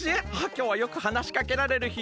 きょうはよくはなしかけられるひね。